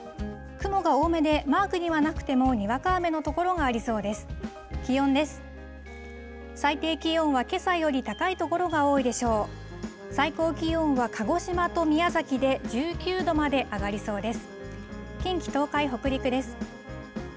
雲が多めでマークにはなくてもにわか雨の所がありそうです。